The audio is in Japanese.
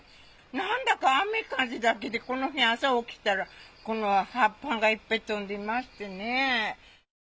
なんだか雨風だけで、この辺、朝起きたら、葉っぱがいっぱい飛んでましてね。